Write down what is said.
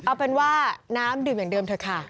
เอาเป็นว่าน้ำดื่มอย่างเดิมเถอะค่ะ